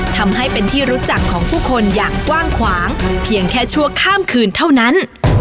ทำให้เป็นที่รู้จักของผู้คนอย่างกว้างขวางเพียงแค่ชั่วข้ามคืนเท่านั้น